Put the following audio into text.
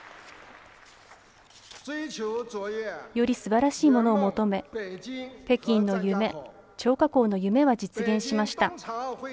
よりすばらしいものを求め北京の夢、張家口の夢は実現しました。